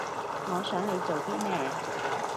我想你做啲咩